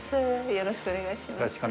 よろしくお願いします。